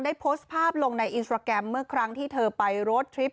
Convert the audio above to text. โพสต์ภาพลงในอินสตราแกรมเมื่อครั้งที่เธอไปโรดทริป